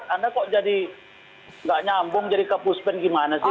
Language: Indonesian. anda kok jadi nggak nyambung jadi ke puspen gimana sih